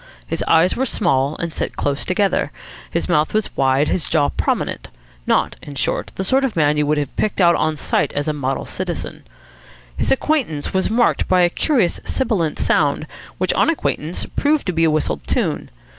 His eyes were small and set close together. His mouth was wide, his jaw prominent. Not, in short, the sort of man you would have picked out on sight as a model citizen. His entrance was marked by a curious sibilant sound, which, on acquaintance, proved to be a whistled tune.